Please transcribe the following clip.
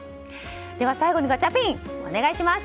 では最後にガチャピンお願いします。